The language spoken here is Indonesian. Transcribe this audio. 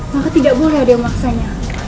maka tidak boleh ada yang memaksanya